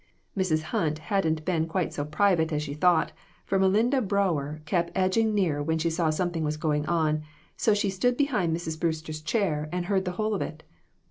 " Mrs. Hunt hadn't been quite so private as she thought, for Melinda Brower kept edging nearer when she saw something was going on, so she stood behind Mrs. Brewster's chair, and heard the whole of it.